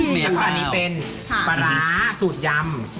แล้วก็อันนี้เป็นปลาร้าสูตรยำ